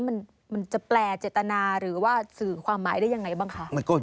มันจะแปลเจตนาหรือว่าสื่อความหมายได้ยังไงบ้างคะ